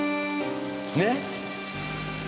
ねっ？